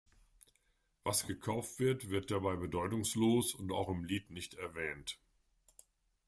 Was gekauft wird, wird dabei bedeutungslos und auch im Lied nicht erwähnt.